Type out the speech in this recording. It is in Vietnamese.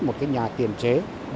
một cái nhà tiền chế